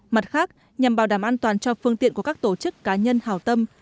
mặt khác nhằm bảo đảm an toàn cho phương tiện của các tổ chức cá nhân hảo tâm